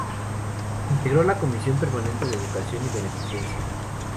Integró la Comisión Permanente de Educación y Beneficencia.